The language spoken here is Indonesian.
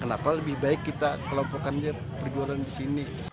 kenapa lebih baik kita kelompokannya berjualan di sini